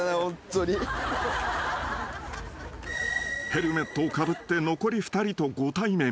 ［ヘルメットをかぶって残り２人とご対面］